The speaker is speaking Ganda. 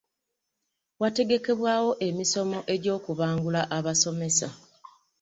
Wateekebwawo emisomo egy'okubangula abasomesa